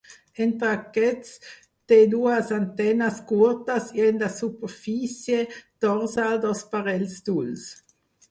Entre aquests té dues antenes curtes i en la superfície dorsal dos parells d'ulls.